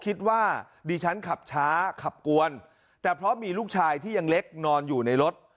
คิดว่าดิฉันขับช้าขับกวนแต่เพราะมีลูกชายที่ยังเล็กนอนอยู่ในรถ